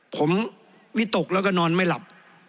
ผมวิตกแล้วก็นอนไม่หลับ